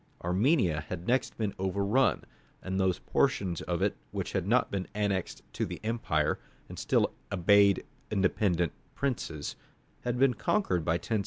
Armenia had next been overrun, and those portions of it which had not been annexed to the empire, and still obeyed independent princes, had been conquered by 1064.